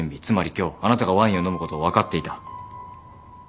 つまり今日あなたがワインを飲むことを分かっていた。